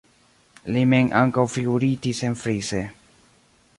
Li mem ankaŭ figuritis enfrise.